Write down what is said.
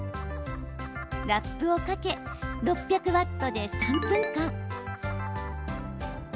ラップをかけ６００ワットで３分間。